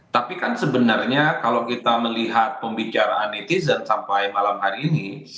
tapi kan sebenarnya kalau kita melihat pembicaraan netizen sampai malam hari ini